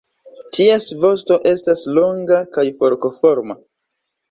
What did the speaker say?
Ties vosto estas longa kaj forkoforma.